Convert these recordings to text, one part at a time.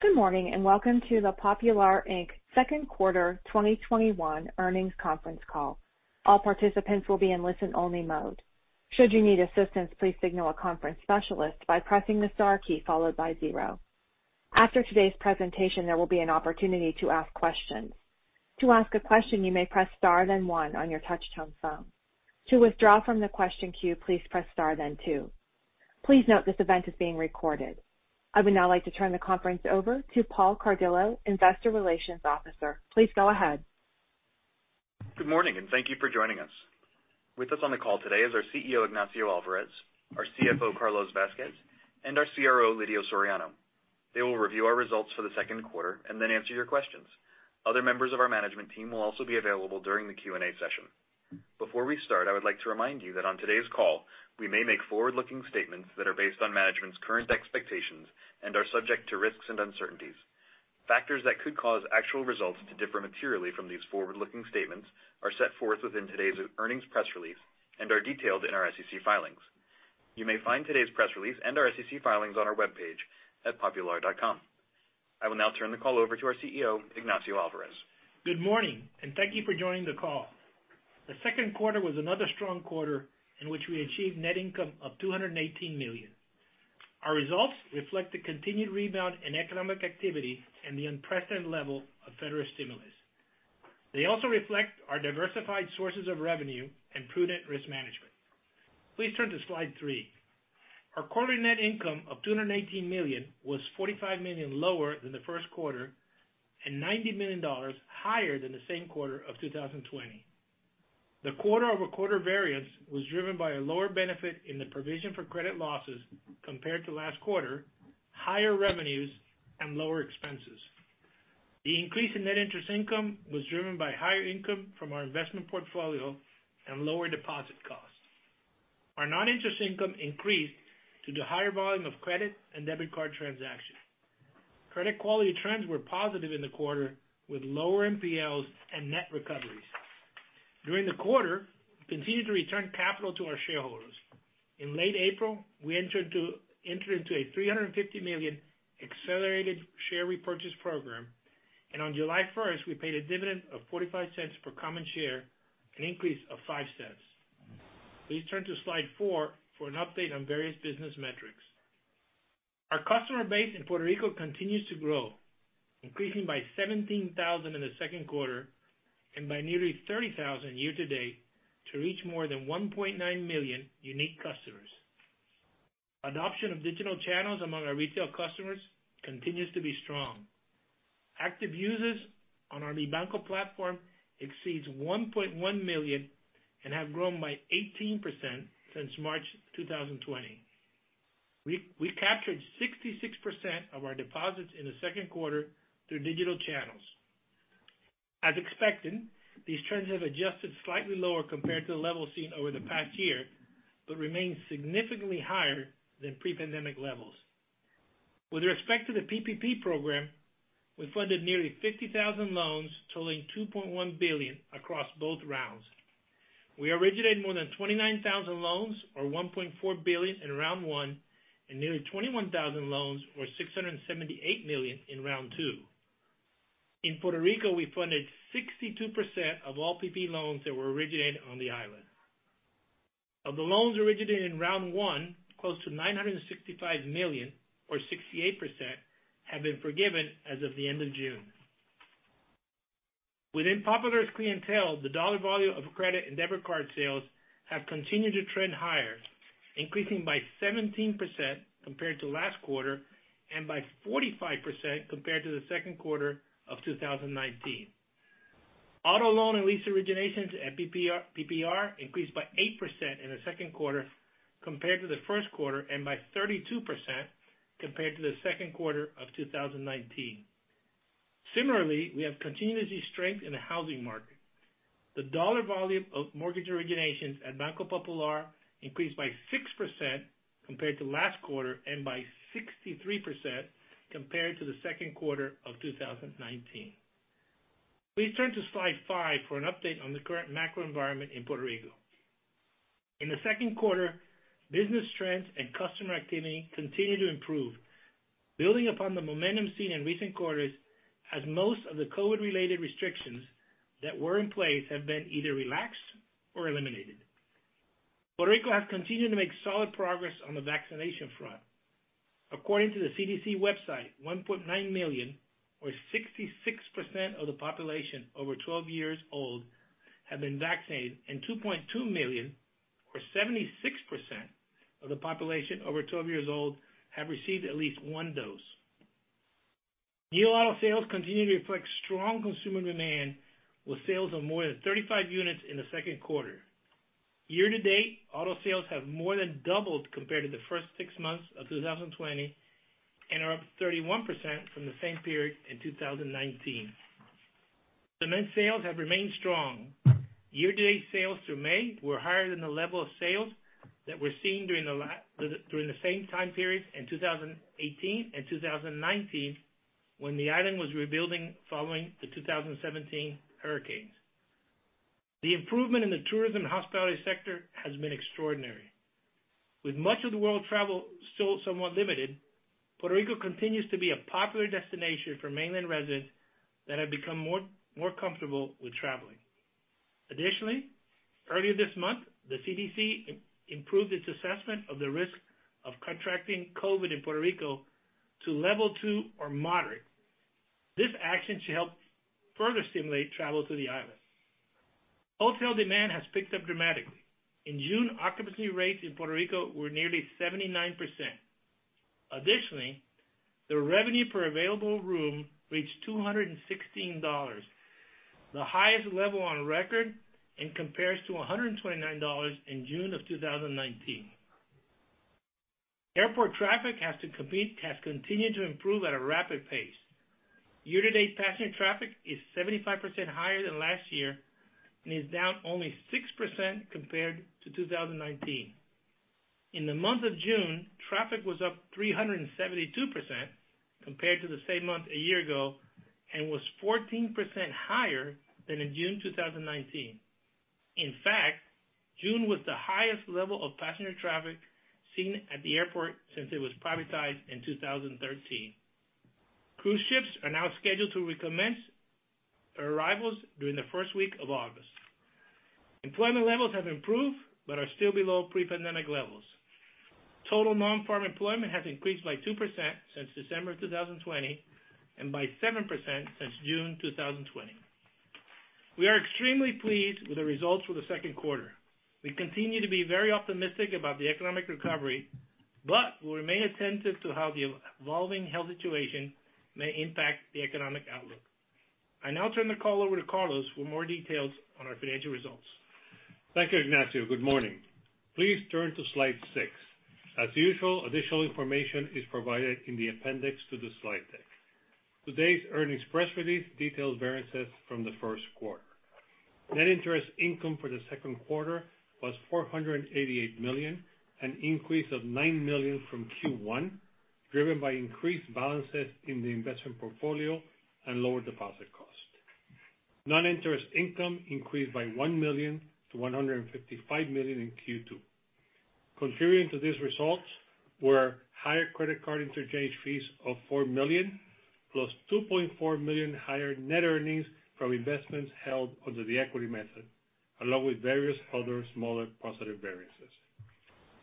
Good morning, and welcome to the Popular Inc. second quarter 2021 earnings conference call. After today's presentation, there will be an opportunity to ask questions. I would now like to turn the conference over to Paul Cardillo, Investor Relations Officer. Please go ahead. Good morning. Thank you for joining us. With us on the call today is our CEO, Ignacio Alvarez, our CFO, Carlos Vazquez, and our CRO, Lidio Soriano. They will review our results for the second quarter and then answer your questions. Other members of our management team will also be available during the Q&A session. Before we start, I would like to remind you that on today's call, we may make forward-looking statements that are based on management's current expectations and are subject to risks and uncertainties. Factors that could cause actual results to differ materially from these forward-looking statements are set forth within today's earnings press release and are detailed in our SEC filings. You may find today's press release and our SEC filings on our webpage at popular.com. I will now turn the call over to our CEO, Ignacio Alvarez. Good morning. Thank you for joining the call. The second quarter was another strong quarter in which we achieved net income of $218 million. Our results reflect the continued rebound in economic activity and the unprecedented level of federal stimulus. They also reflect our diversified sources of revenue and prudent risk management. Please turn to slide three. Our quarterly net income of $218 million was $45 million lower than the first quarter, and $90 million higher than the same quarter of 2020. The quarter-over-quarter variance was driven by a lower benefit in the provision for credit losses compared to last quarter, higher revenues, and lower expenses. The increase in net interest income was driven by higher income from our investment portfolio and lower deposit costs. Our non-interest income increased to the higher volume of credit and debit card transactions. Credit quality trends were positive in the quarter with lower NPLs and net recoveries. During the quarter, we continued to return capital to our shareholders. In late April, we entered into a $350 million accelerated share repurchase program. On July 1st, we paid a dividend of $0.45 per common share, an increase of $0.05. Please turn to slide four for an update on various business metrics. Our customer base in Puerto Rico continues to grow, increasing by 17,000 in the second quarter and by nearly 30,000 year-to-date to reach more than 1.9 million unique customers. Adoption of digital channels among our retail customers continues to be strong. Active users on our Mi Banco platform exceeds 1.1 million and have grown by 18% since March 2020. We captured 66% of our deposits in the second quarter through digital channels. As expected, these trends have adjusted slightly lower compared to the level seen over the past year, but remain significantly higher than pre-pandemic levels. With respect to the PPP program, we funded nearly 50,000 loans totaling $2.1 billion across both rounds. We originated more than 29,000 loans or $1.4 billion in round one, and nearly 21,000 loans or $678 million in round two. In Puerto Rico, we funded 62% of all PPP loans that were originated on the island. Of the loans originated in round one, close to $965 million or 68% have been forgiven as of the end of June. Within Popular's clientele, the dollar volume of credit and debit card sales have continued to trend higher, increasing by 17% compared to last quarter and by 45% compared to the second quarter of 2019. Auto loan and lease originations at BPPR increased by 8% in the second quarter compared to the first quarter and by 32% compared to the second quarter of 2019. Similarly, we have continued to see strength in the housing market. The dollar volume of mortgage originations at Banco Popular increased by 6% compared to last quarter and by 63% compared to the second quarter of 2019. Please turn to slide five for an update on the current macro environment in Puerto Rico. In the second quarter, business trends and customer activity continued to improve, building upon the momentum seen in recent quarters as most of the COVID-related restrictions that were in place have been either relaxed or eliminated. Puerto Rico has continued to make solid progress on the vaccination front. According to the CDC website, 1.9 million or 66% of the population over 12 years old have been vaccinated, and 2.2 million or 76% of the population over 12 years old have received at least one dose. New auto sales continue to reflect strong consumer demand with sales of more than 35 units in the second quarter. Year-to-date, auto sales have more than doubled compared to the first six months of 2020 and are up 31% from the same period in 2019. Cement sales have remained strong. Year-to-date sales through May were higher than the level of sales that were seen during the same time period in 2018 and 2019 when the island was rebuilding following the 2017 hurricanes. The improvement in the tourism hospitality sector has been extraordinary. With much of the world travel still somewhat limited, Puerto Rico continues to be a popular destination for mainland residents that have become more comfortable with traveling. Additionally, earlier this month, the CDC improved its assessment of the risk of contracting COVID in Puerto Rico to level two, or moderate. This action should help further stimulate travel to the island. Hotel demand has picked up dramatically. In June, occupancy rates in Puerto Rico were nearly 79%. Additionally, the revenue per available room reached $216, the highest level on record, and compares to $129 in June of 2019. Airport traffic has continued to improve at a rapid pace. Year-to-date passenger traffic is 75% higher than last year, and is down only 6% compared to 2019. In the month of June, traffic was up 372% compared to the same month a year ago, and was 14% higher than in June 2019. In fact, June was the highest level of passenger traffic seen at the airport since it was privatized in 2013. Cruise ships are now scheduled to recommence arrivals during the first week of August. Employment levels have improved, but are still below pre-pandemic levels. Total non-farm employment has increased by 2% since December 2020, and by 7% since June 2020. We are extremely pleased with the results for the second quarter. We continue to be very optimistic about the economic recovery, but we remain attentive to how the evolving health situation may impact the economic outlook. I now turn the call over to Carlos for more details on our financial results. Thank you, Ignacio. Good morning. Please turn to slide six. As usual, additional information is provided in the appendix to the slide deck. Today's earnings press release details variances from the first quarter. Net interest income for the second quarter was $488 million, an increase of $9 million from Q1, driven by increased balances in the investment portfolio and lower deposit cost. Non-interest income increased by $1 million to $155 million in Q2. Contributing to these results were higher credit card interchange fees of $4 million, plus $2.4 million higher net earnings from investments held under the equity method, along with various other smaller positive variances.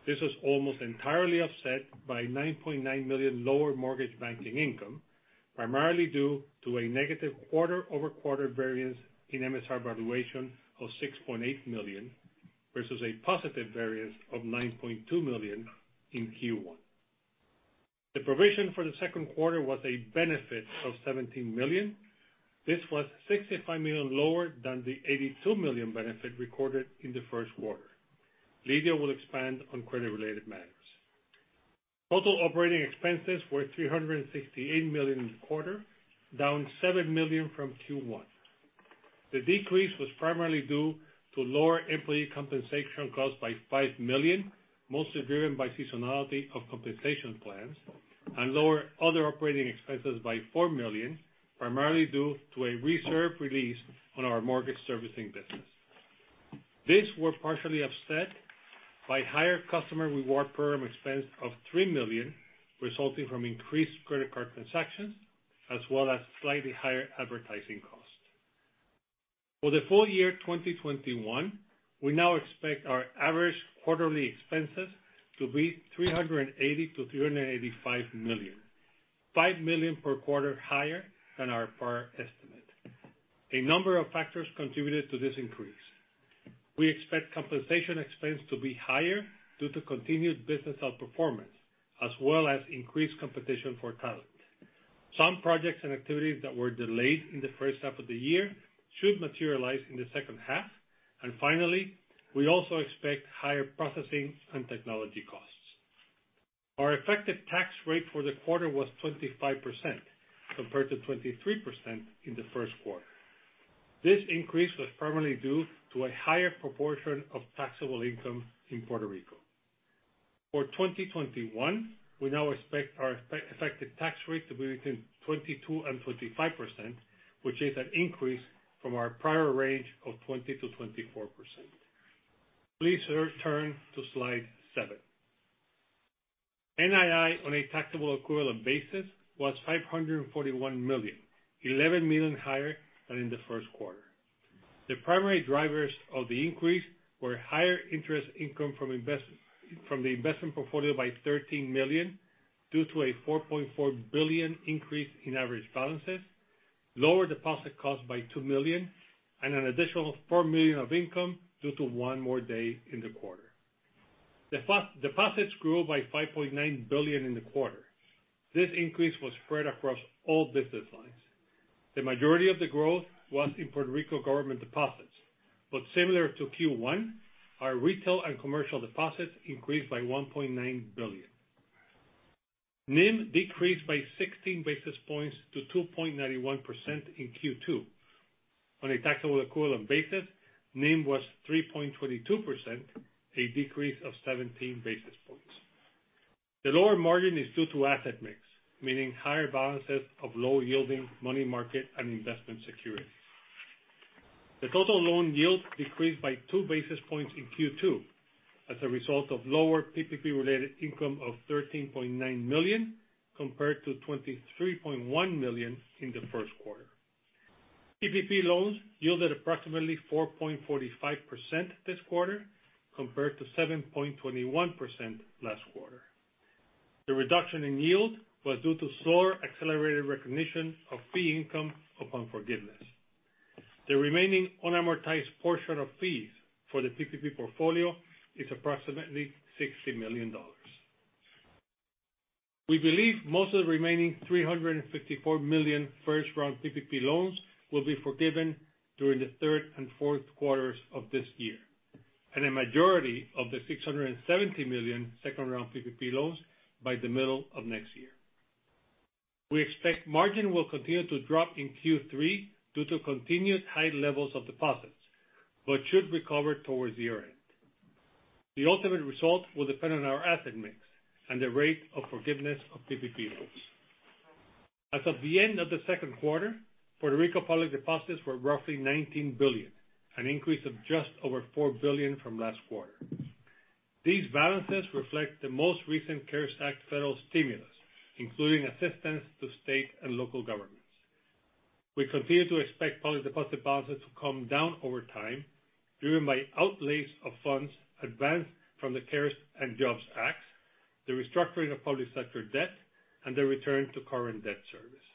This was almost entirely offset by $9.9 million lower mortgage banking income, primarily due to a negative quarter-over-quarter variance in MSR valuation of $6.8 million versus a positive variance of $9.2 million in Q1. The provision for the second quarter was a benefit of $17 million. This was $65 million lower than the $82 million benefit recorded in the first quarter. Lidio will expand on credit-related matters. Total operating expenses were $368 million in the quarter, down $7 million from Q1. The decrease was primarily due to lower employee compensation costs by $5 million, mostly driven by seasonality of compensation plans, and lower other operating expenses by $4 million, primarily due to a reserve release on our mortgage servicing business. These were partially offset by higher customer reward program expense of $3 million, resulting from increased credit card transactions as well as slightly higher advertising costs. For the full year 2021, we now expect our average quarterly expenses to be $380 million-$385 million, $5 million per quarter higher than our prior estimate. A number of factors contributed to this increase. We expect compensation expense to be higher due to continued business outperformance, as well as increased competition for talent. Some projects and activities that were delayed in the first half of the year should materialize in the second half. Finally, we also expect higher processing and technology costs. Our effective tax rate for the quarter was 25%, compared to 23% in the first quarter. This increase was primarily due to a higher proportion of taxable income in Puerto Rico. For 2021, we now expect our effective tax rate to be between 22% and 25%, which is an increase from our prior range of 20% to 24%. Please turn to slide seven. NII on a taxable equivalent basis was $541 million, $11 million higher than in the first quarter. The primary drivers of the increase were higher interest income from the investment portfolio by $13 million due to a $4.4 billion increase in average balances, lower deposit costs by $2 million, and an additional $4 million of income due to one more day in the quarter. Deposits grew by $5.9 billion in the quarter. This increase was spread across all business lines. The majority of the growth was in Puerto Rico government deposits, but similar to Q1, our retail and commercial deposits increased by $1.9 billion. NIM decreased by 16 basis points to 2.91% in Q2. On a taxable equivalent basis, NIM was 3.22%, a decrease of 17 basis points. The lower margin is due to asset mix, meaning higher balances of low-yielding money market and investment securities. The total loan yield decreased by two basis points in Q2 as a result of lower PPP-related income of $13.9 million, compared to $23.1 million in the first quarter. PPP loans yielded approximately 4.45% this quarter, compared to 7.21% last quarter. The reduction in yield was due to slower accelerated recognition of fee income upon forgiveness. The remaining unamortized portion of fees for the PPP portfolio is approximately $60 million. We believe most of the remaining $354 million first-round PPP loans will be forgiven during the third and fourth quarters of this year, and a majority of the $670 million second-round PPP loans by the middle of next year. We expect margin will continue to drop in Q3 due to continued high levels of deposits, but should recover towards year-end. The ultimate result will depend on our asset mix and the rate of forgiveness of PPP loans. As of the end of the second quarter, Puerto Rico public deposits were roughly $19 billion, an increase of just over $4 billion from last quarter. These balances reflect the most recent CARES Act federal stimulus, including assistance to state and local governments. We continue to expect public deposit balances to come down over time, driven by outlays of funds advanced from the CARES and JOBS Act, the restructuring of public sector debt, and the return to current debt service.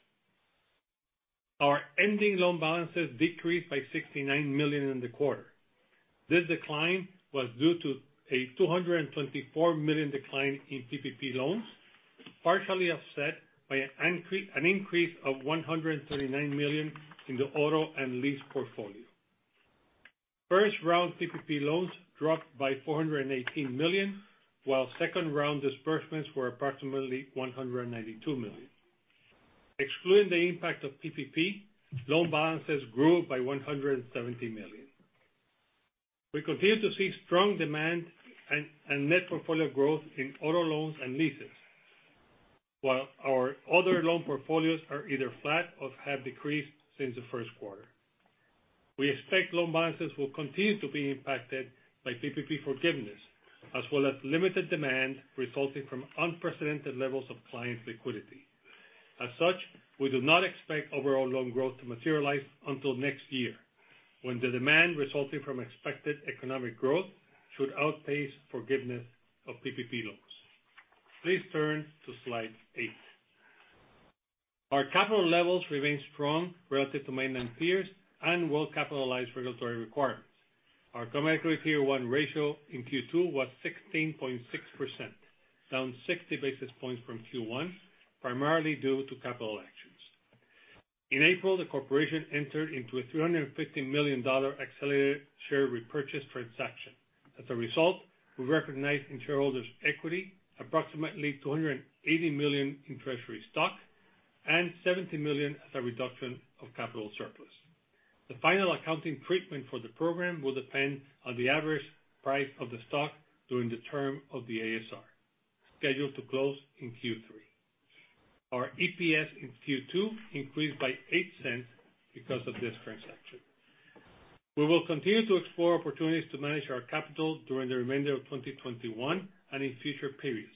Our ending loan balances decreased by $69 million in the quarter. This decline was due to a $224 million decline in PPP loans, partially offset by an increase of $139 million in the auto and lease portfolio. First-round PPP loans dropped by $418 million, while second-round disbursements were approximately $192 million. Excluding the impact of PPP, loan balances grew by $170 million. We continue to see strong demand and net portfolio growth in auto loans and leases, while our other loan portfolios are either flat or have decreased since the first quarter. We expect loan balances will continue to be impacted by PPP forgiveness, as well as limited demand resulting from unprecedented levels of client liquidity. We do not expect overall loan growth to materialize until next year, when the demand resulting from expected economic growth should outpace forgiveness of PPP loans. Please turn to slide eight. Our capital levels remain strong relative to maintenance tiers and well-capitalized regulatory requirements. Our common equity Tier 1 ratio in Q2 was 16.6%, down 60 basis points from Q1, primarily due to capital actions. In April, the corporation entered into a $350 million accelerated share repurchase transaction. As a result, we recognized in shareholders' equity approximately $280 million in treasury stock and $70 million as a reduction of capital surplus. The final accounting treatment for the program will depend on the average price of the stock during the term of the ASR, scheduled to close in Q3. Our EPS in Q2 increased by $0.08 because of this transaction. We will continue to explore opportunities to manage our capital during the remainder of 2021 and in future periods.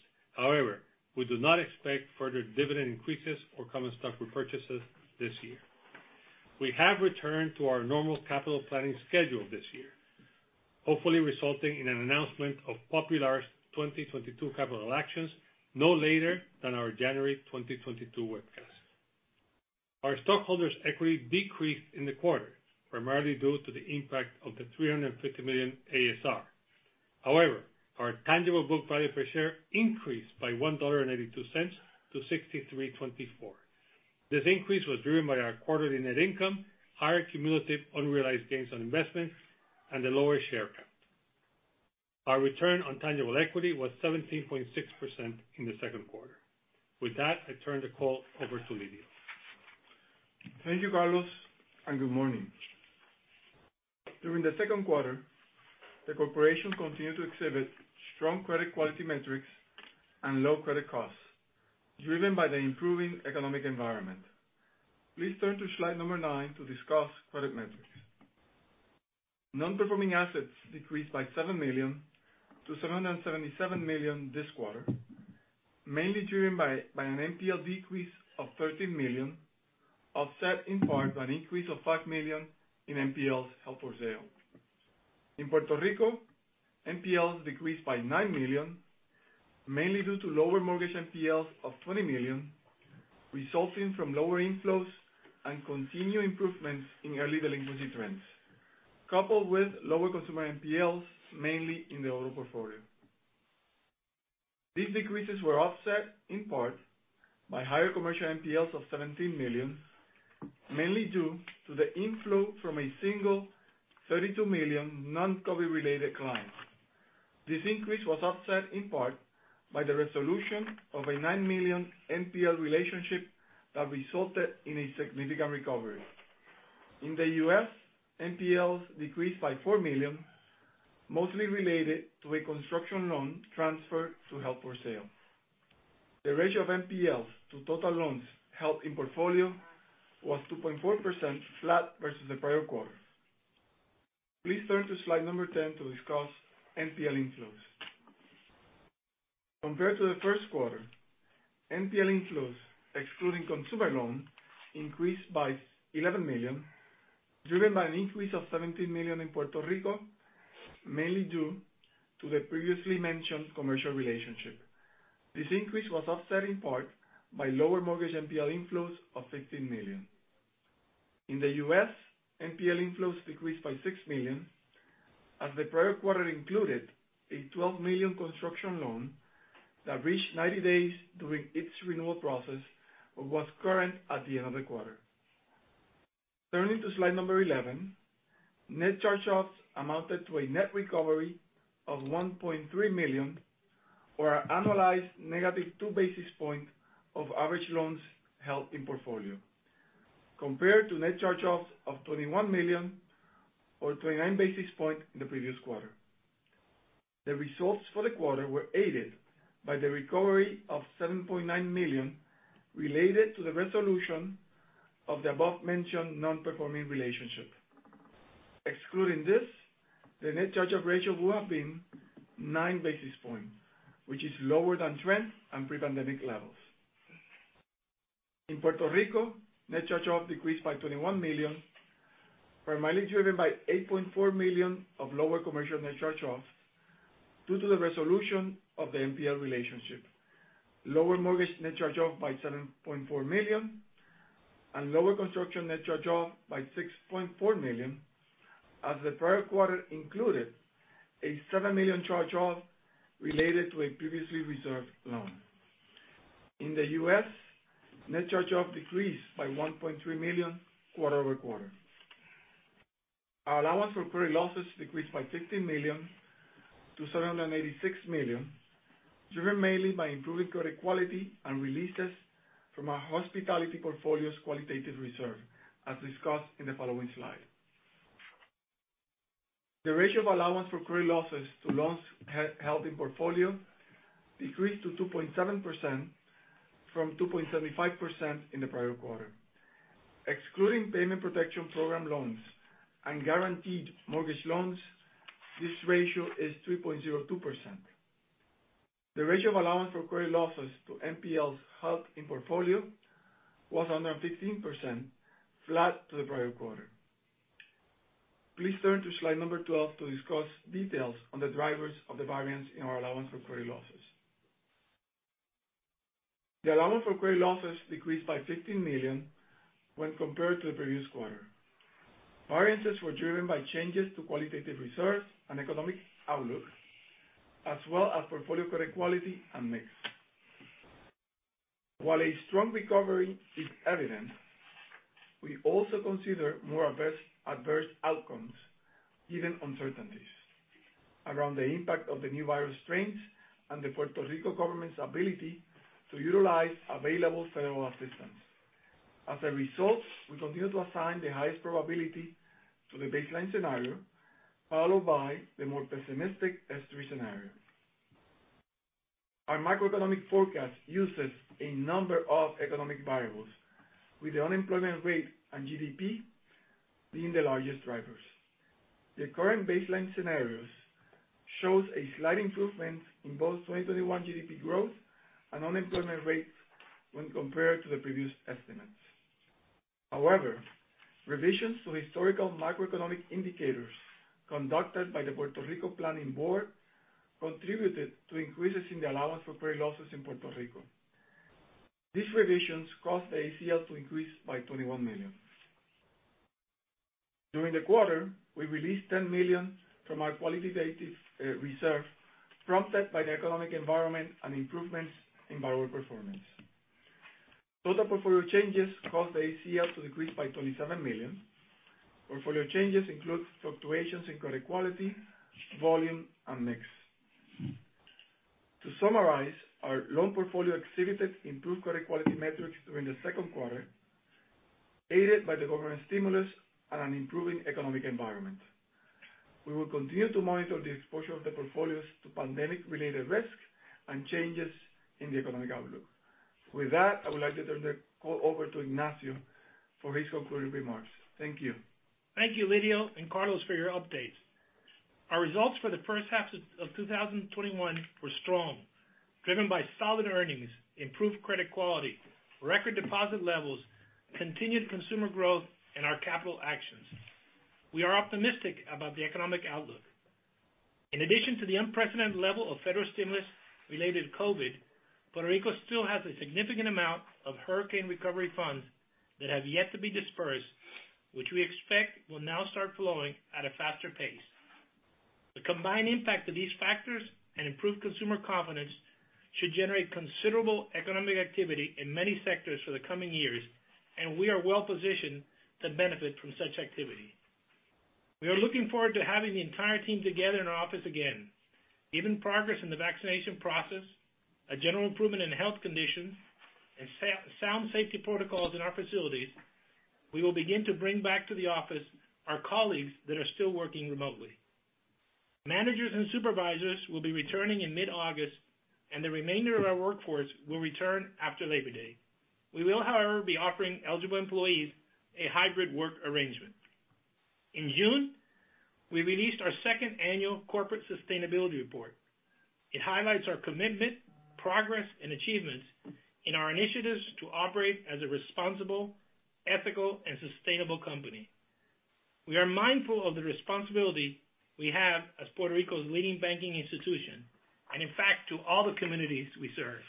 We do not expect further dividend increases or common stock repurchases this year. We have returned to our normal capital planning schedule this year, hopefully resulting in an announcement of Popular's 2022 capital actions no later than our January 2022 webcast. Our stockholders' equity decreased in the quarter, primarily due to the impact of the $350 million ASR. Our tangible book value per share increased by $1.82 to $63.24. This increase was driven by our quarterly net income, higher cumulative unrealized gains on investments, and a lower share count. Our return on tangible equity was 17.6% in the second quarter. With that, I turn the call over to Lidio. Thank you, Carlos, and good morning. During the second quarter, the corporation continued to exhibit strong credit quality metrics and low credit costs, driven by the improving economic environment. Please turn to slide number nine to discuss credit metrics. Non-performing assets decreased by $7 million to $777 million this quarter, mainly driven by an NPL decrease of $13 million, offset in part by an increase of $5 million in NPLs held for sale. In Puerto Rico, NPLs decreased by $9 million, mainly due to lower mortgage NPLs of $20 million resulting from lower inflows and continued improvements in early delinquency trends, coupled with lower consumer NPLs, mainly in the auto portfolio. These decreases were offset in part by higher commercial NPLs of $17 million, mainly due to the inflow from a single $32 million non-COVID-related client. This increase was offset in part by the resolution of a $9 million NPL relationship that resulted in a significant recovery. In the U.S., NPLs decreased by $4 million, mostly related to a construction loan transfer to held for sale. The ratio of NPLs to total loans held in portfolio was 2.4% flat versus the prior quarter. Please turn to slide number 10 to discuss NPL inflows. Compared to the first quarter, NPL inflows excluding consumer loans increased by $11 million, driven by an increase of $17 million in Puerto Rico, mainly due to the previously mentioned commercial relationship. This increase was offset in part by lower mortgage NPL inflows of $16 million. In the U.S., NPL inflows decreased by $6 million, as the prior quarter included a $12 million construction loan that reached 90 days during its renewal process but was current at the end of the quarter. Turning to slide number 11, net charge-offs amounted to a net recovery of $1.3 million, or an annualized -2 basis points of average loans held in portfolio, compared to net charge-offs of $21 million or 29 basis points in the previous quarter. The results for the quarter were aided by the recovery of $7.9 million related to the resolution of the above-mentioned non-performing relationship. Excluding this, the net charge-off ratio would have been 9 basis points, which is lower than trend and pre-pandemic levels. In Puerto Rico, net charge-offs decreased by $21 million, primarily driven by $8.4 million of lower commercial net charge-offs due to the resolution of the NPL relationship. Lower mortgage net charge-off by $7.4 million, and lower construction net charge-off by $6.4 million, as the prior quarter included a $7 million charge-off related to a previously reserved loan. In the U.S., net charge-off decreased by $1.3 million quarter-over-quarter. Our allowance for credit losses decreased by $15 million to $786 million, driven mainly by improving credit quality and releases from our hospitality portfolio's qualitative reserve, as discussed in the following slide. The ratio of allowance for credit losses to loans held in portfolio decreased to 2.7% from 2.75% in the prior quarter. Excluding Paycheck Protection Program loans and guaranteed mortgage loans, this ratio is 3.02%. The ratio of allowance for credit losses to NPLs held in portfolio was 115%, flat to the prior quarter. Please turn to slide number 12 to discuss details on the drivers of the variance in our allowance for credit losses. The allowance for credit losses decreased by $15 million when compared to the previous quarter. Variances were driven by changes to qualitative reserves and economic outlook, as well as portfolio credit quality and mix. While a strong recovery is evident, we also consider more adverse outcomes given uncertainties around the impact of the new virus strains and the Puerto Rico government's ability to utilize available federal assistance. As a result, we continue to assign the highest probability to the baseline scenario, followed by the more pessimistic S3 scenario. Our macroeconomic forecast uses a number of economic variables, with the unemployment rate and GDP being the largest drivers. The current baseline scenarios shows a slight improvement in both 2021 GDP growth and unemployment rates when compared to the previous estimates. However, revisions to historical macroeconomic indicators conducted by the Puerto Rico Planning Board contributed to increases in the allowance for credit losses in Puerto Rico. These revisions caused the ACL to increase by $21 million. During the quarter, we released $10 million from our qualitative reserve, prompted by the economic environment and improvements in borrower performance. Total portfolio changes caused the ACL to decrease by $27 million. Portfolio changes include fluctuations in credit quality, volume, and mix. To summarize, our loan portfolio exhibited improved credit quality metrics during the second quarter, aided by the government stimulus and an improving economic environment. We will continue to monitor the exposure of the portfolios to pandemic-related risks and changes in the economic outlook. With that, I would like to turn the call over to Ignacio for his concluding remarks. Thank you. Thank you, Lidio and Carlos, for your updates. Our results for the first half of 2021 were strong, driven by solid earnings, improved credit quality, record deposit levels, continued consumer growth, and our capital actions. We are optimistic about the economic outlook. In addition to the unprecedented level of federal stimulus related to COVID, Puerto Rico still has a significant amount of hurricane recovery funds that have yet to be dispersed, which we expect will now start flowing at a faster pace. The combined impact of these factors and improved consumer confidence should generate considerable economic activity in many sectors for the coming years, and we are well-positioned to benefit from such activity. We are looking forward to having the entire team together in our office again. Given progress in the vaccination process, a general improvement in health conditions, and sound safety protocols in our facilities, we will begin to bring back to the office our colleagues that are still working remotely. Managers and supervisors will be returning in mid-August, and the remainder of our workforce will return after Labor Day. We will, however, be offering eligible employees a hybrid work arrangement. In June, we released our second annual corporate sustainability report. It highlights our commitment, progress, and achievements in our initiatives to operate as a responsible, ethical and sustainable company. We are mindful of the responsibility we have as Puerto Rico's leading banking institution, and in fact, to all the communities we serve.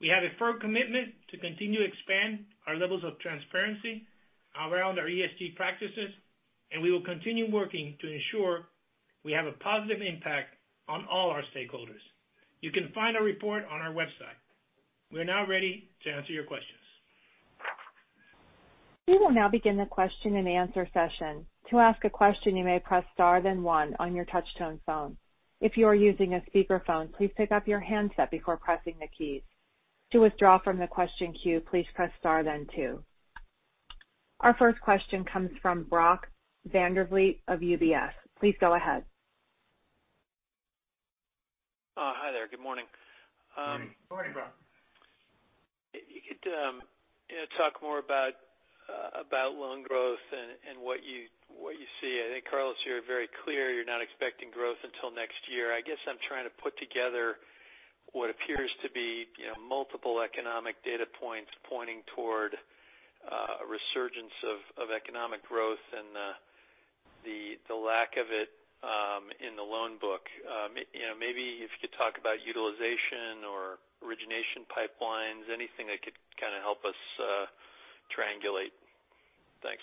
We have a firm commitment to continue to expand our levels of transparency around our ESG practices, and we will continue working to ensure we have a positive impact on all our stakeholders. You can find our report on our website. We are now ready to answer your questions. We will now begin the question and answer session. To ask a question, you may press star then one on your touch-tone phone. If you are using a speakerphone, please pick up your handset before pressing the keys. To withdraw from the question queue, please press star then two. Our first question comes from Brock Vandervliet of UBS. Please go ahead. Hi there. Good morning. Morning. Morning, Brock. If you could talk more about loan growth and what you see. I think, Carlos, you're very clear you're not expecting growth until next year. I guess I'm trying to put together what appears to be multiple economic data points pointing toward a resurgence of economic growth and the lack of it in the loan book. Maybe if you could talk about utilization or origination pipelines, anything that could kind of help us triangulate. Thanks.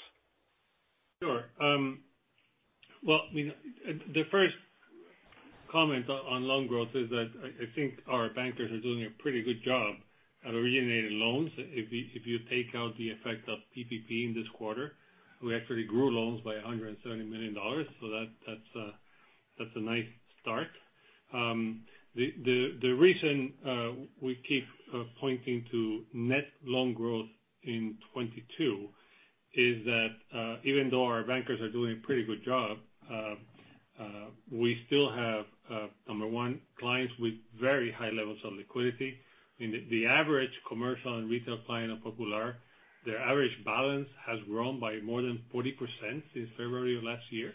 Sure. Well, the first comment on loan growth is that I think our bankers are doing a pretty good job at originating loans. If you take out the effect of PPP in this quarter, we actually grew loans by $170 million. That's a nice start. The reason we keep pointing to net loan growth in 2022 is that even though our bankers are doing a pretty good job, we still have, number one, clients with very high levels of liquidity. The average commercial and retail client of Popular, their average balance has grown by more than 40% since February of last year.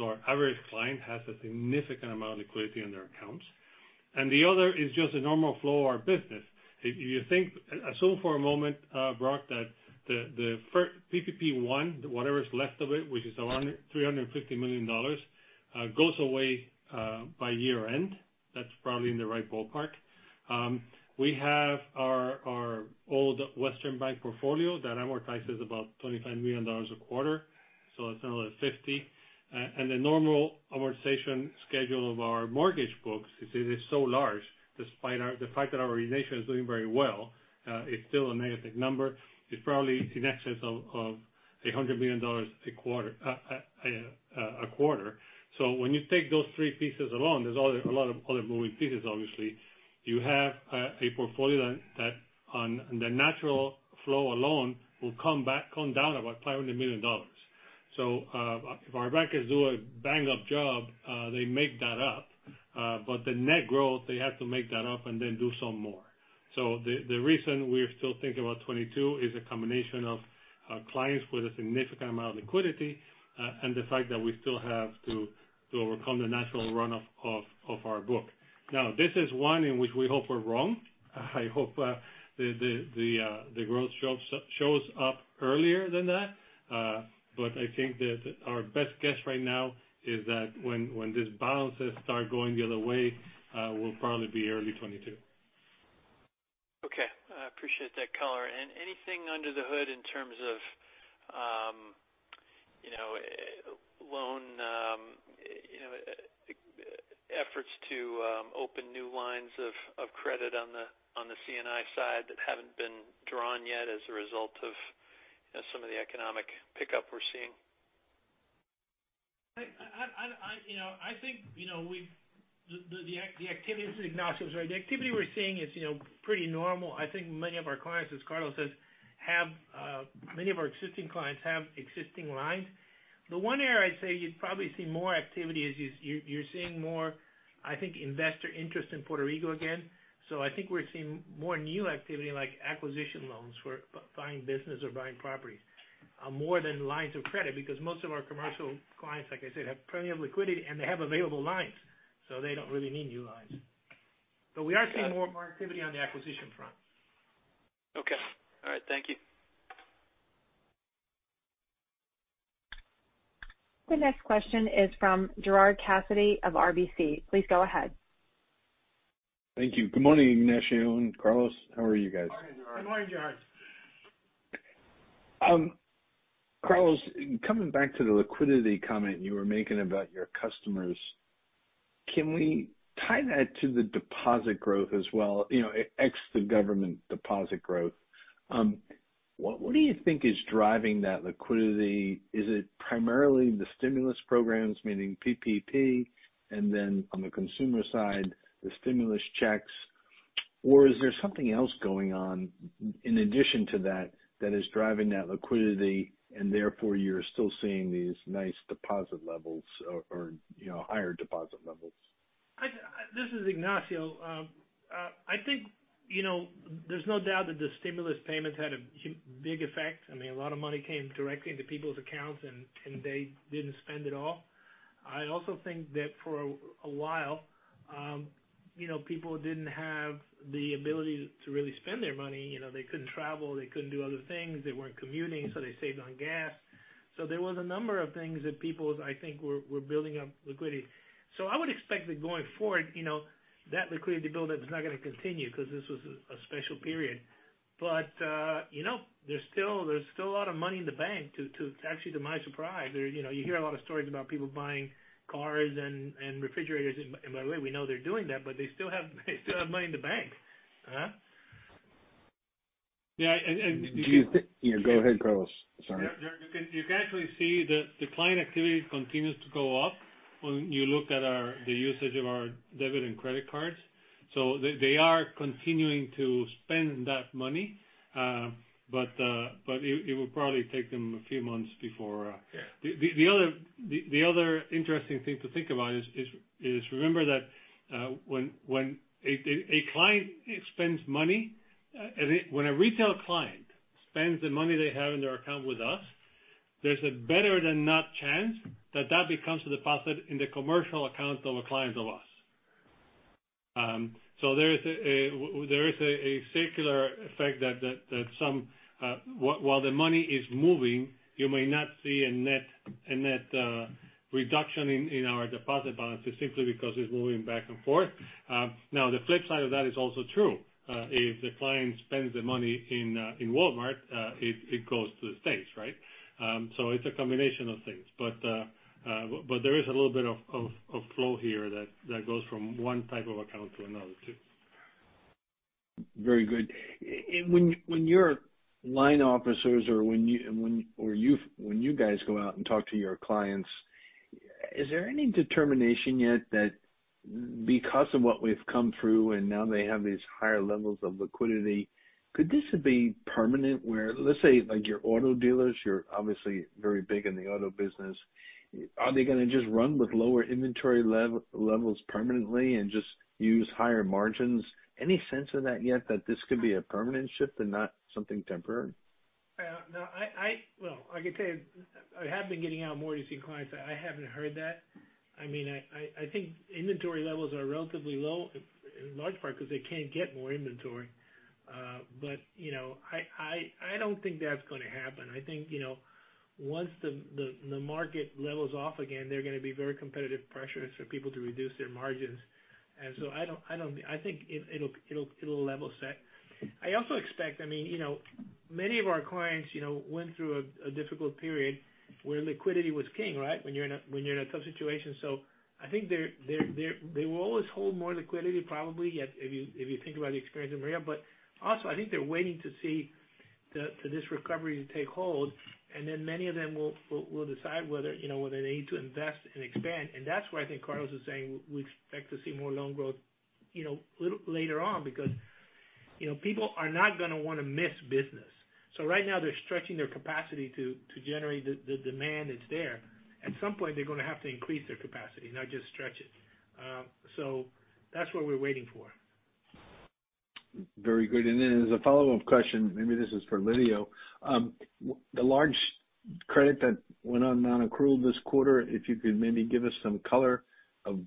Our average client has a significant amount of liquidity in their accounts. The other is just the normal flow of our business. Assume for a moment, Brock, that the PPP One, whatever's left of it, which is around $350 million, goes away by year-end. That's probably in the right ballpark. We have our old Westernbank portfolio that amortizes about $25 million a quarter. That's another $50 million. The normal amortization schedule of our mortgage books is so large, despite the fact that our origination is doing very well, it's still a negative number. It's probably in excess of $100 million a quarter. When you take those three pieces alone, there's a lot of other moving pieces, obviously. You have a portfolio that on the natural flow alone will come down about $500 million. If our bankers do a bang-up job they make that up. The net growth, they have to make that up and then do some more. The reason we're still thinking about 2022 is a combination of clients with a significant amount of liquidity and the fact that we still have to overcome the natural run of our book. This is one in which we hope we're wrong. I hope the growth shows up earlier than that. I think that our best guess right now is that when these balances start going the other way, will probably be early 2022. Okay. I appreciate that color. Anything under the hood in terms of loan efforts to open new lines of credit on the C&I side that haven't been drawn yet as a result of some of the economic pickup we're seeing? Ignacio here. The activity we're seeing is pretty normal. I think many of our existing clients have existing lines. The one area I'd say you'd probably see more activity is you're seeing more, I think, investor interest in Puerto Rico again. I think we're seeing more new activity like acquisition loans for buying business or buying properties more than lines of credit, because most of our commercial clients, like I said, have plenty of liquidity and they have available lines, so they don't really need new lines. We are seeing more activity on the acquisition front. Okay. All right. Thank you. The next question is from Gerard Cassidy of RBC. Please go ahead. Thank you. Good morning, Ignacio and Carlos. How are you guys? Morning, Gerard. Good morning, Gerard. Carlos, coming back to the liquidity comment you were making about your customers. Can we tie that to the deposit growth as well, ex the government deposit growth? What do you think is driving that liquidity? Is it primarily the stimulus programs, meaning PPP, and then on the consumer side, the stimulus checks? Is there something else going on in addition to that is driving that liquidity, and therefore you're still seeing these nice deposit levels or higher deposit levels? This is Ignacio. I think there's no doubt that the stimulus payments had a big effect. I mean, a lot of money came directly into people's accounts, and they didn't spend it all. I also think that for a while, people didn't have the ability to really spend their money. They couldn't travel, they couldn't do other things. They weren't commuting, so they saved on gas. There was a number of things that people, I think, were building up liquidity. I would expect that going forward, that liquidity buildup is not going to continue because this was a special period. There's still a lot of money in the bank, actually to my surprise. You hear a lot of stories about people buying cars and refrigerators. By the way, we know they're doing that, but they still have money in the bank. Yeah. Go ahead, Carlos. Sorry. You can actually see the client activity continues to go up when you look at the usage of our debit and credit cards. They are continuing to spend that money. It will probably take them a few months. Yeah. The other interesting thing to think about is, remember that when a client spends money, when a retail client spends the money they have in their account with us, there's a better than not chance that that becomes a deposit in the commercial accounts of a client of us. There is a circular effect that while the money is moving, you may not see a net reduction in our deposit balances simply because it's moving back and forth. Now, the flip side of that is also true. If the client spends the money in Walmart, it goes to the States, right? It's a combination of things. There is a little bit of flow here that goes from one type of account to another too. Very good. When your line officers or when you guys go out and talk to your clients, is there any determination yet that because of what we've come through and now they have these higher levels of liquidity, could this be permanent where, let's say like your auto dealers, you're obviously very big in the auto business. Are they going to just run with lower inventory levels permanently and just use higher margins? Any sense of that yet that this could be a permanent shift and not something temporary? Well, I could tell you, I have been getting out more to see clients. I haven't heard that. I think inventory levels are relatively low in large part because they can't get more inventory. I don't think that's going to happen. I think once the market levels off again, there are going to be very competitive pressures for people to reduce their margins. I think it'll level set. I also expect many of our clients went through a difficult period where liquidity was king, right? When you're in a tough situation. I think they will always hold more liquidity, probably, if you think about the experience in Maria. Also, I think they're waiting to see for this recovery to take hold, and then many of them will decide whether they need to invest and expand. That's why I think Carlos is saying we expect to see more loan growth later on because people are not going to want to miss business. Right now they're stretching their capacity to generate the demand that's there. At some point, they're going to have to increase their capacity, not just stretch it. That's what we're waiting for. Very good. As a follow-up question, maybe this is for Lidio. The large credit that went non-accrual this quarter, if you could maybe give us some color of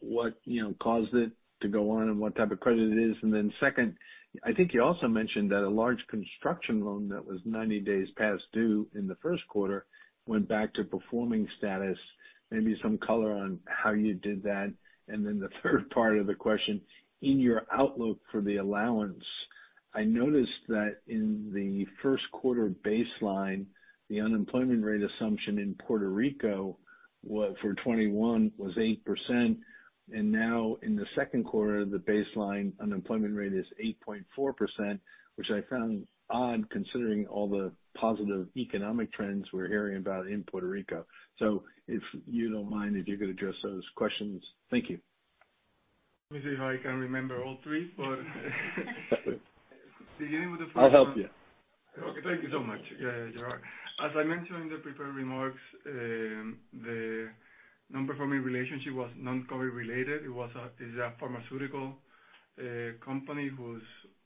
what caused it to go on and what type of credit it is. Second, I think you also mentioned that a large construction loan that was 90 days past due in the first quarter went back to performing status. Maybe some color on how you did that. The third part of the question, in your outlook for the allowance, I noticed that in the first quarter baseline, the unemployment rate assumption in Puerto Rico for 2021 was 8%, and now in the second quarter, the baseline unemployment rate is 8.4%, which I found odd considering all the positive economic trends we're hearing about in Puerto Rico. If you don't mind, if you could address those questions. Thank you. Let me see if I can remember all three. Beginning with the first one. I'll help you. Okay. Thank you so much. Yeah. As I mentioned in the prepared remarks, the non-performing relationship was non-COVID related. It's a pharmaceutical company who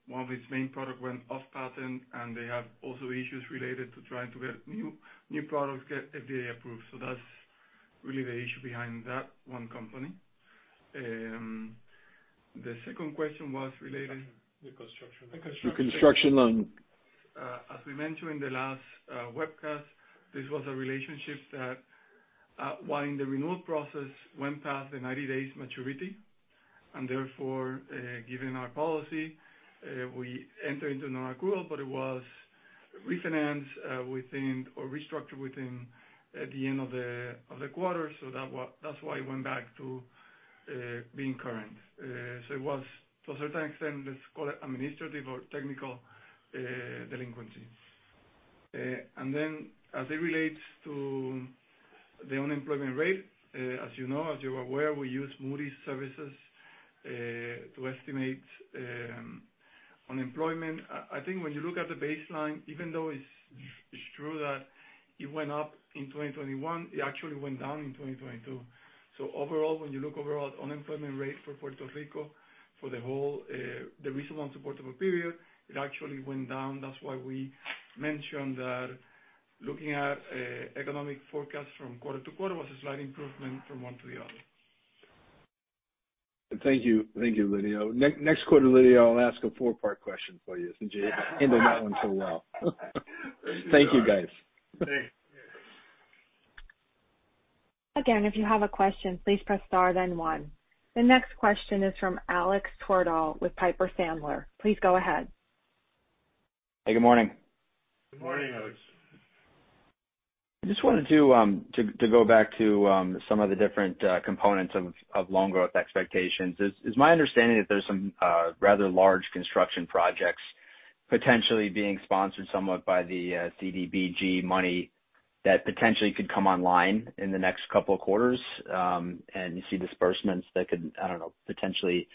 one of its main product went off patent, and they have also issues related to trying to get new products FDA approved. That's really the issue behind that one company. The second question was related- The construction loan. The construction loan. The construction loan. As we mentioned in the last webcast, this was a relationship that while in the renewal process, went past the 90 days maturity. Therefore, given our policy, we enter into nonaccrual, but it was refinanced within or restructured within at the end of the quarter. That's why it went back to being current. It was to a certain extent, let's call it administrative or technical delinquency. As it relates to the unemployment rate, as you know, as you are aware, we use Moody's services to estimate unemployment. I think when you look at the baseline, even though it's true that it went up in 2021, it actually went down in 2022. Overall, when you look overall unemployment rate for Puerto Rico for the recent supportable period, it actually went down. That's why we mentioned that looking at economic forecast from quarter to quarter was a slight improvement from one to the other. Thank you. Thank you, Lidio. Next quarter, Lidio, I will ask a four-part question for you since you ended that one so well. Thank you, guys. Thanks. Again, if you have a question, please press star then one. The next question is from Alex Twerdahl with Piper Sandler. Please go ahead. Hey, good morning. Good morning, Alex. I just wanted to go back to some of the different components of loan growth expectations. It's my understanding that there's some rather large construction projects potentially being sponsored somewhat by the CDBG money that potentially could come online in the next couple of quarters. You see disbursements that could, I don't know, potentially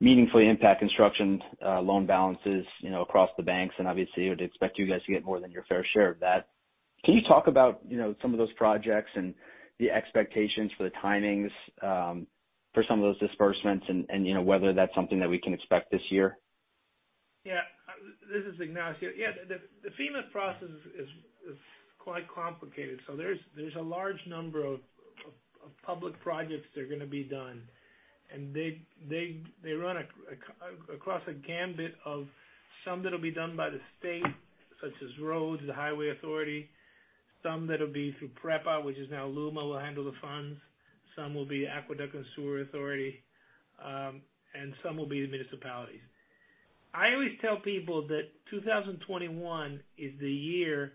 meaningfully impact construction loan balances across the banks, and obviously would expect you guys to get more than your fair share of that. Can you talk about some of those projects and the expectations for the timings for some of those disbursements and whether that's something that we can expect this year? This is Ignacio. The FEMA process is quite complicated. There's a large number of public projects that are going to be done, and they run across a gamut of some that'll be done by the state, such as roads, the highway authority. Some that'll be through PREPA, which is now LUMA will handle the funds. Some will be Aqueduct and Sewer Authority, and some will be the municipalities. I always tell people that 2021 is the year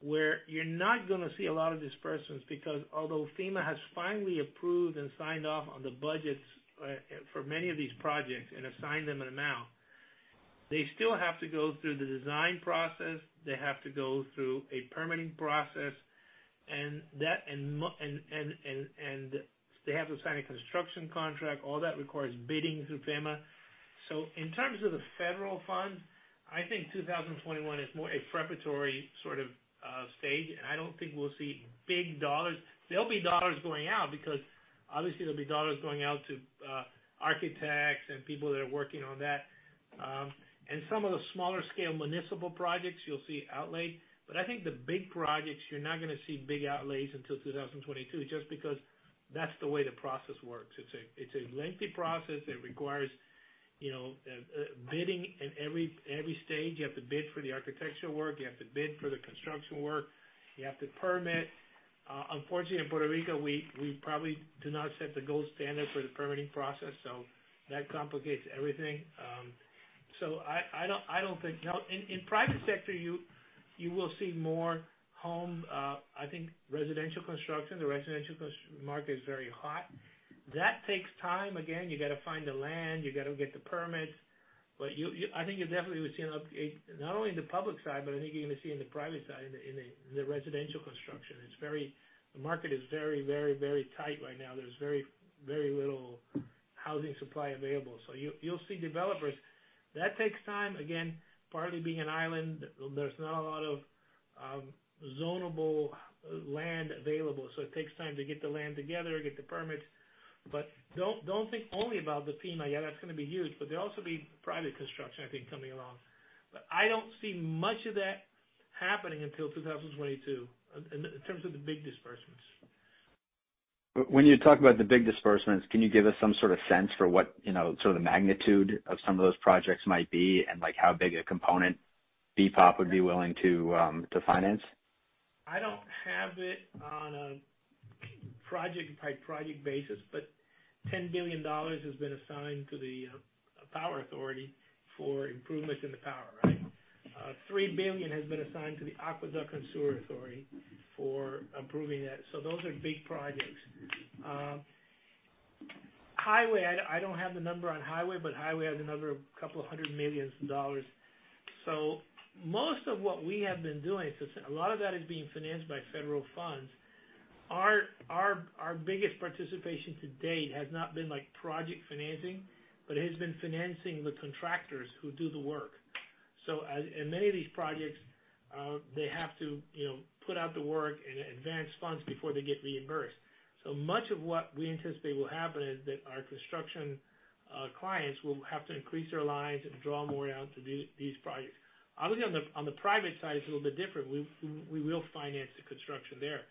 where you're not going to see a lot of disbursements because although FEMA has finally approved and signed off on the budgets for many of these projects and assigned them an amount. They still have to go through the design process. They have to go through a permitting process and they have to sign a construction contract. All that requires bidding through FEMA. In terms of the federal funds, I think 2021 is more a preparatory sort of stage, and I don't think we'll see big dollars. There'll be dollars going out because obviously there'll be dollars going out to architects and people that are working on that. Some of the smaller scale municipal projects you'll see outlaid. I think the big projects, you're not going to see big outlays until 2022 just because that's the way the process works. It's a lengthy process. It requires bidding in every stage. You have to bid for the architecture work. You have to bid for the construction work. You have to permit. Unfortunately, in Puerto Rico, we probably do not set the gold standard for the permitting process, so that complicates everything. In private sector, you will see more I think residential construction. The residential construction market is very hot. That takes time. Again, you got to find the land, you got to get the permits. I think you definitely would see an update not only in the public side, but I think you're going to see in the private side, in the residential construction. The market is very tight right now. There's very little housing supply available. You'll see developers. That takes time. Again, partly being an island, there's not a lot of zonable land available, so it takes time to get the land together, get the permits. Don't think only about the FEMA. Yeah, that's going to be huge, but there'll also be private construction, I think, coming along. I don't see much of that happening until 2022 in terms of the big disbursements. When you talk about the big disbursements, can you give us some sort of sense for what sort of the magnitude of some of those projects might be and like how big a component BPOP would be willing to finance? I don't have it on a project-by-project basis, but $10 billion has been assigned to the Power Authority for improvements in the power. Right? $3 billion has been assigned to the Aqueduct and Sewer Authority for improving that. Those are big projects. Highway, I don't have the number on Highway, but Highway has another couple of hundred million dollars. Most of what we have been doing, a lot of that is being financed by federal funds. Our biggest participation to date has not been like project financing, but it has been financing the contractors who do the work. In many of these projects, they have to put out the work and advance funds before they get reimbursed. Much of what we anticipate will happen is that our construction clients will have to increase their lines and draw more out to do these projects. Obviously, on the private side, it's a little bit different. We will finance the construction there.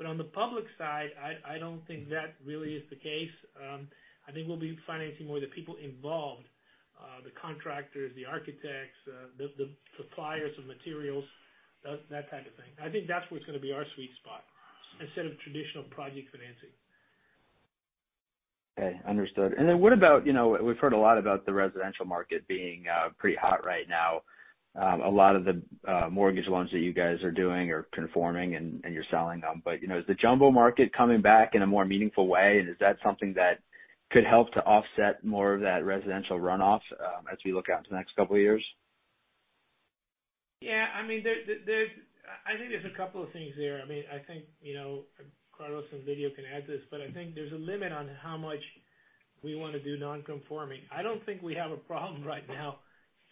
On the public side, I don't think that really is the case. I think we'll be financing more of the people involved. The contractors, the architects, the suppliers of materials, that type of thing. I think that's what's going to be our sweet spot instead of traditional project financing. Okay, understood. What about, we've heard a lot about the residential market being pretty hot right now. A lot of the mortgage loans that you guys are doing are conforming and you're selling them. Is the jumbo market coming back in a more meaningful way, and is that something that could help to offset more of that residential runoff as we look out into the next couple of years? Yeah. I think there's a couple of things there. I think Carlos and Lidio can add to this, but I think there's a limit on how much we want to do non-conforming. I don't think we have a problem right now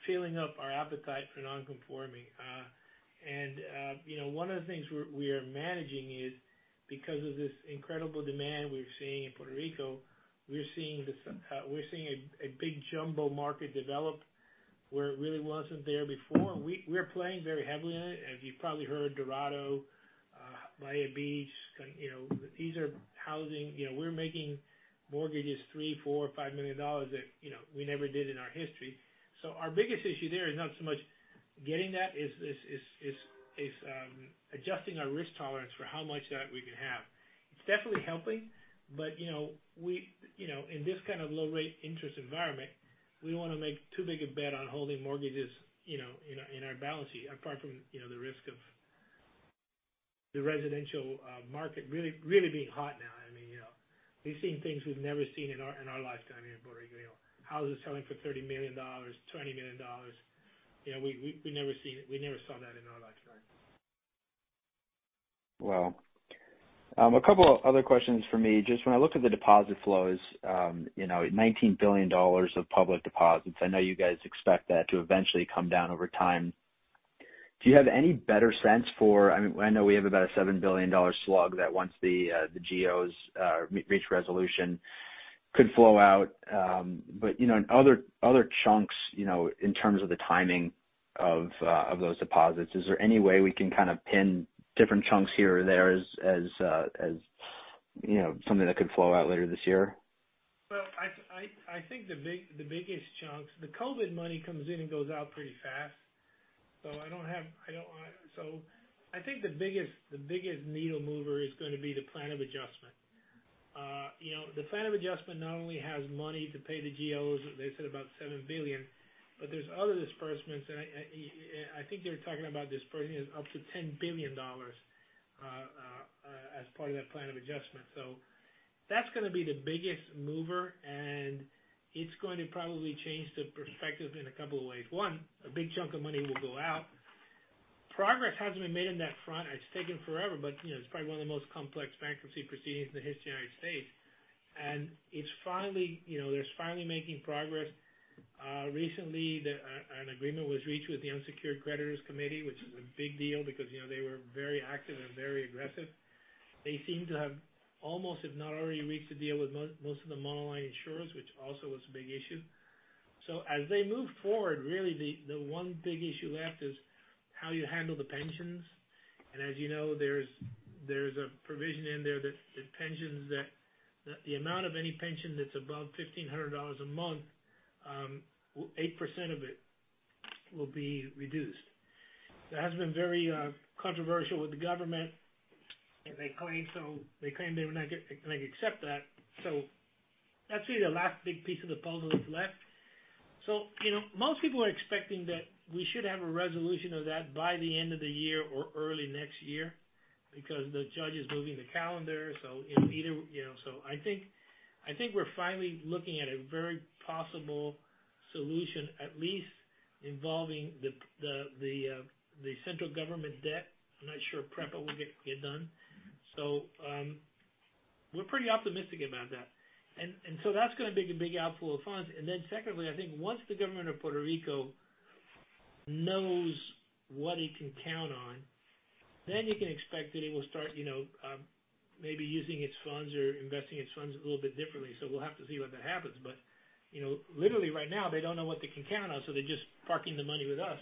filling up our appetite for non-conforming. One of the things we are managing is because of this incredible demand we're seeing in Puerto Rico, we're seeing a big jumbo market develop where it really wasn't there before. We're playing very heavily in it. As you probably heard, Dorado, Bahia Beach these are housing. We're making mortgages $3 million, $4 million, $5 million that we never did in our history. Our biggest issue there is not so much getting that, is adjusting our risk tolerance for how much of that we can have. It's definitely helping. In this kind of low rate interest environment, we don't want to make too big a bet on holding mortgages in our balance sheet. Apart from the risk of the residential market really being hot now. We've seen things we've never seen in our lifetime here in Puerto Rico. Houses selling for $30 million, $20 million. We never saw that in our lifetime. Well. A couple of other questions from me. Just when I look at the deposit flows, $19 billion of public deposits. I know you guys expect that to eventually come down over time. Do you have any better sense for I know we have about a $7 billion slug that once the GOs reach resolution could flow out. Other chunks in terms of the timing of those deposits, is there any way we can kind of pin different chunks here or there as something that could flow out later this year? I think the biggest chunks, the COVID money comes in and goes out pretty fast. I think the biggest needle mover is going to be the plan of adjustment. The plan of adjustment not only has money to pay the GOs, they said about $7 billion, but there's other disbursements, and I think they're talking about dispersing up to $10 billion as part of that plan of adjustment. That's going to be the biggest mover, and it's going to probably change the perspective in a couple of ways. One, a big chunk of money will go out. Progress has been made in that front. It's taken forever, but it's probably one of the most complex bankruptcy proceedings in the history of the U.S., and they're finally making progress. Recently, an agreement was reached with the unsecured creditors committee, which is a big deal because they were very active and very aggressive. They seem to have almost, if not already, reached a deal with most of the monoline insurers, which also was a big issue. As they move forward, really the one big issue left is how you handle the pensions. As you know, there's a provision in there that the amount of any pension that's above $1,500 a month, 8% of it will be reduced. That has been very controversial with the government, and they claim they will not accept that. That's really the last big piece of the puzzle that's left. Most people are expecting that we should have a resolution of that by the end of the year or early next year because the judge is moving the calendar. I think we're finally looking at a very possible solution, at least involving the central government debt. I'm not sure PREPA will get done. We're pretty optimistic about that. That's going to be a big outflow of funds. I think once the government of Puerto Rico knows what it can count on, then you can expect that it will start maybe using its funds or investing its funds a little bit differently. We'll have to see whether it happens. Literally right now, they don't know what they can count on, so they're just parking the money with us.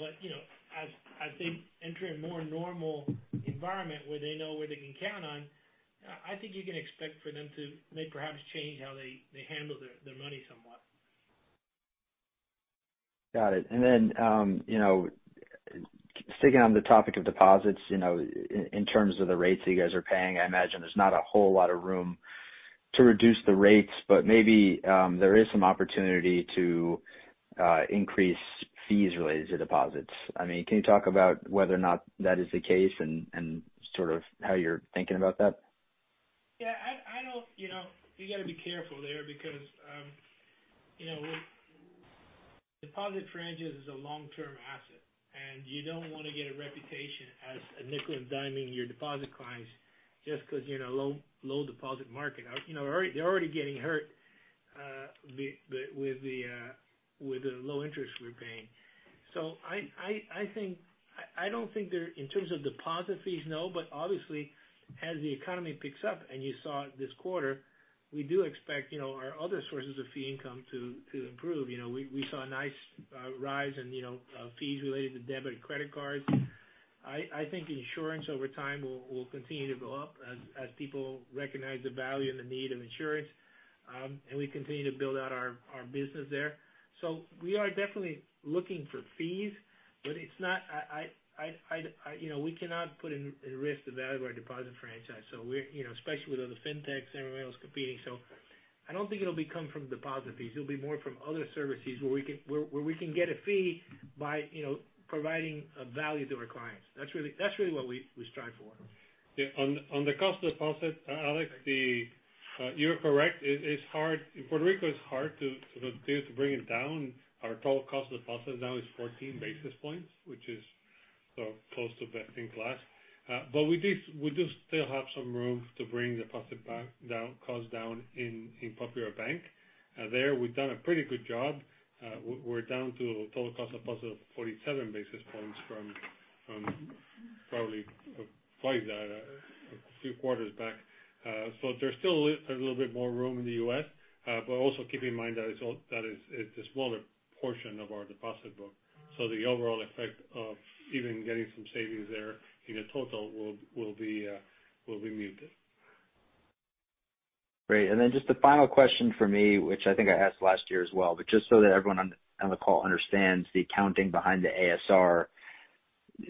As they enter a more normal environment where they know where they can count on, I think you can expect for them to may perhaps change how they handle their money somewhat. Got it. Sticking on the topic of deposits, in terms of the rates that you guys are paying, I imagine there's not a whole lot of room to reduce the rates. Maybe there is some opportunity to increase fees related to deposits. Can you talk about whether or not that is the case and sort of how you're thinking about that? Yeah. You got to be careful there because deposit franchise is a long-term asset, and you don't want to get a reputation as a nickel and diming your deposit clients just because you're in a low deposit market. They're already getting hurt with the low interest we're paying. I don't think in terms of deposit fees, no, but obviously, as the economy picks up and you saw it this quarter, we do expect our other sources of fee income to improve. We saw a nice rise in fees related to debit and credit cards. I think insurance over time will continue to go up as people recognize the value and the need of insurance, and we continue to build out our business there. We are definitely looking for fees, but we cannot put at risk the value of our deposit franchise. Especially with all the fintechs and everyone else competing. I don't think it'll come from deposit fees. It'll be more from other services where we can get a fee by providing value to our clients. That's really what we strive for. On the cost deposit, Alex, you're correct. In Puerto Rico, it's hard to bring it down. Our total cost deposit now is 14 basis points, which is close to best in class. We do still have some room to bring the deposit cost down in Popular Bank. There, we've done a pretty good job. We're down to a total cost deposit of 47 basis points from probably twice that a few quarters back. There's still a little bit more room in the U.S., but also keep in mind that it's a smaller portion of our deposit book. The overall effect of even getting some savings there in the total will be muted. Great. Just the final question from me, which I think I asked last year as well, but just so that everyone on the call understands the accounting behind the ASR.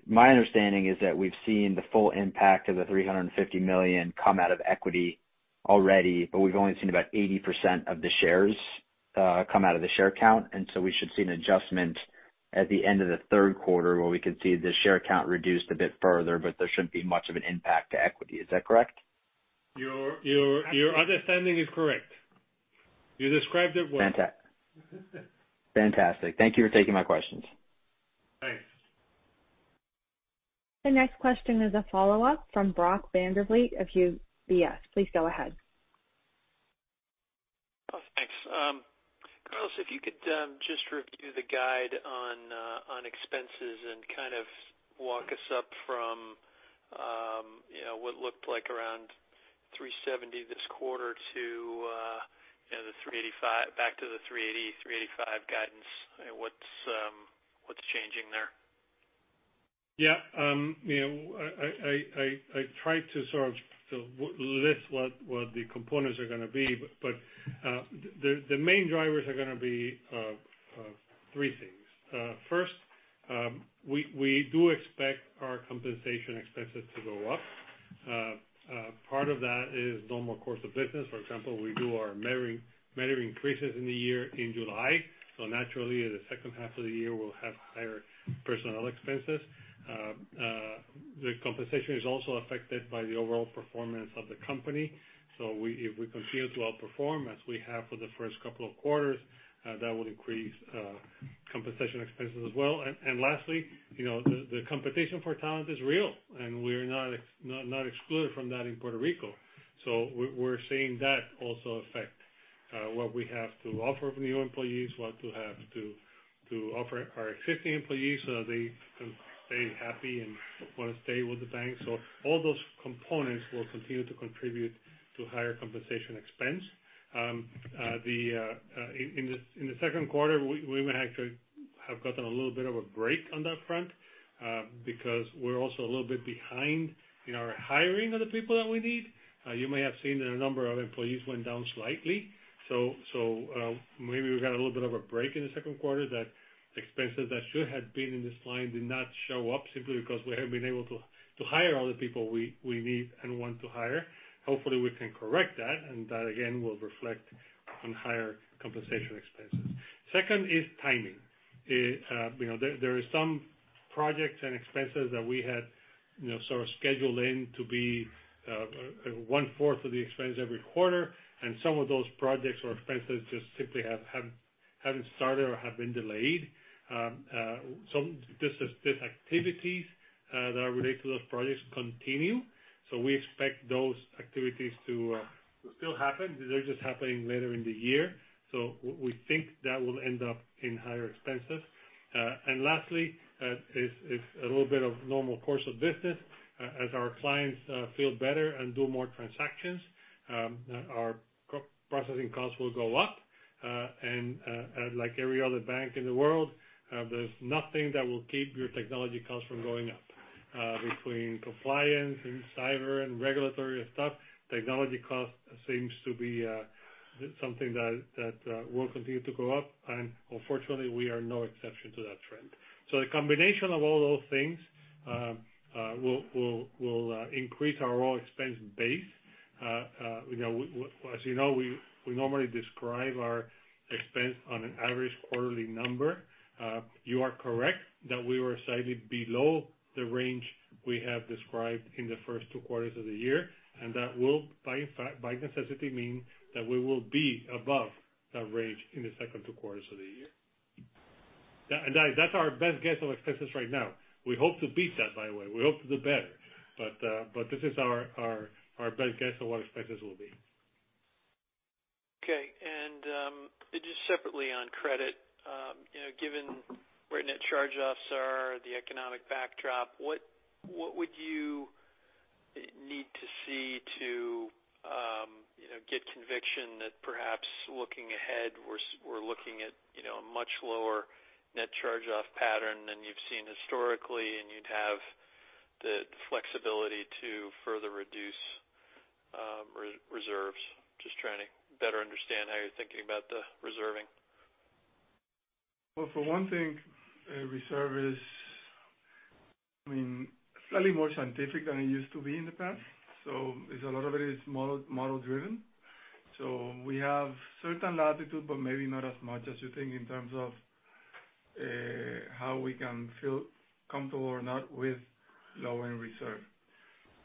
My understanding is that we've seen the full impact of the $350 million come out of equity already, but we've only seen about 80% of the shares come out of the share count, and so we should see an adjustment at the end of the third quarter where we could see the share count reduced a bit further, but there shouldn't be much of an impact to equity. Is that correct? Your understanding is correct. You described it well. Fantastic. Thank you for taking my questions. Thanks. The next question is a follow-up from Brock Vandervliet of UBS. Please go ahead. Oh, thanks. Carlos, if you could just review the guide on expenses and kind of walk us up from what looked like around $370 this quarter back to the $380-$385 guidance. What's changing there? Yeah. I tried to sort of list what the components are going to be, but the main drivers are going to be three things. First, we do expect our compensation expenses to go up. Part of that is normal course of business. For example, we do our salary increases in the year in July, so naturally, the second half of the year, we'll have higher personnel expenses. The compensation is also affected by the overall performance of the company. If we continue to outperform as we have for the first couple of quarters, that will increase compensation expenses as well. Lastly, the competition for talent is real, and we're not excluded from that in Puerto Rico. We're seeing that also affect what we have to offer new employees, what to have to offer our existing employees so they can stay happy and want to stay with the bank. All those components will continue to contribute to higher compensation expense. In the second quarter, we may actually have gotten a little bit of a break on that front because we're also a little bit behind in our hiring of the people that we need. You may have seen that our number of employees went down slightly. Maybe we got a little bit of a break in the second quarter that expenses that should have been in this line did not show up simply because we haven't been able to hire all the people we need and want to hire. Hopefully, we can correct that, and that again, will reflect on higher compensation expenses. Second is timing. There are some projects and expenses that we had sort of scheduled in to be one-fourth of the expense every quarter, and some of those projects or expenses just simply haven't started or have been delayed. Some activities that are related to those projects continue. We expect those activities to still happen. They're just happening later in the year. We think that will end up in higher expenses. Lastly is a little bit of normal course of business. As our clients feel better and do more transactions, our processing costs will go up. Like every other bank in the world, there's nothing that will keep your technology cost from going up. Between compliance and cyber and regulatory stuff, technology cost seems to be something that will continue to go up, and unfortunately, we are no exception to that trend. The combination of all those things will increase our raw expense base. As you know, we normally describe our expense on an average quarterly number. You are correct that we were slightly below the range we have described in the first two quarters of the year, that will, by necessity, mean that we will be above that range in the second two quarters of the year. That's our best guess on expenses right now. We hope to beat that, by the way. We hope to do better. This is our best guess on what expenses will be. Okay. Just separately on credit, given where net charge-offs are, the economic backdrop, what would you need to see to get conviction that perhaps looking ahead, we're looking at a much lower net charge-off pattern than you've seen historically, and you'd have the flexibility to further reduce reserves? Just trying to better understand how you're thinking about the reserving. For one thing, reserve is slightly more scientific than it used to be in the past. It's a lot of it is model-driven. We have certain latitude, but maybe not as much as you think in terms of how we can feel comfortable or not with lowering reserve.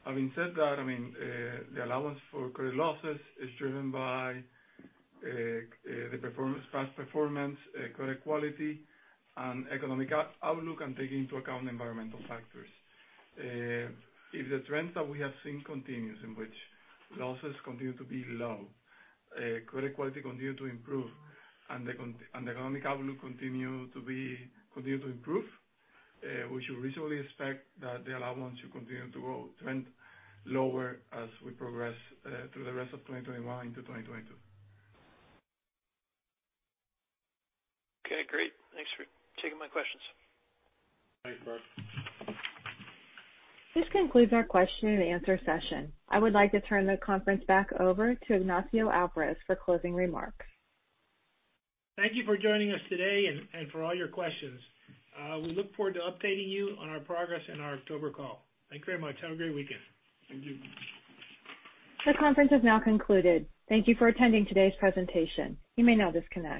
Having said that, the allowance for credit losses is driven by the past performance, credit quality, and economic outlook, and taking into account environmental factors. If the trends that we have seen continues in which losses continue to be low, credit quality continue to improve, and the economic outlook continue to improve, we should reasonably expect that the allowance should continue to trend lower as we progress through the rest of 2021 into 2022. Okay, great. Thanks for taking my questions. Thanks, Brock. This concludes our question and answer session. I would like to turn the conference back over to Ignacio Alvarez for closing remarks. Thank you for joining us today and for all your questions. We look forward to updating you on our progress in our October call. Thank you very much. Have a great weekend. Thank you. The conference has now concluded. Thank you for attending today's presentation. You may now disconnect.